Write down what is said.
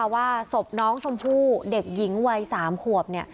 ว่าศพน้องชมพู่เด็กหญิงวัย๓ขวบ